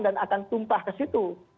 dan akan tumpah kesitu